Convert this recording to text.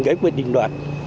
cái quyền định đoạn